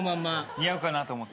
似合うかなと思って。